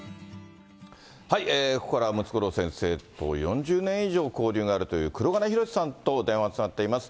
ここからはムツゴロウ先生と４０年以上交流があるという、黒鉄ヒロシさんと電話がつながっています。